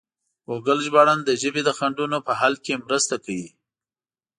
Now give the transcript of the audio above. ګوګل ژباړن د ژبې د خنډونو په حل کې مرسته کوي.